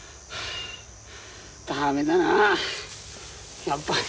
駄目だなやっぱり。